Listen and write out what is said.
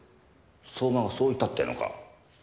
相馬はそう言ったってのか？